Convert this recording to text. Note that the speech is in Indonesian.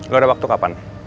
lo ada waktu kapan